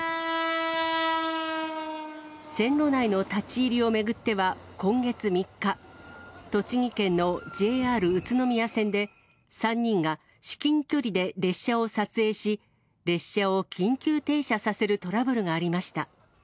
線路内の立ち入りを巡っては、今月３日、栃木県のＪＲ宇都宮線で、３人が至近距離で列車を撮影し、列車を緊急停車させるトラブルがありました。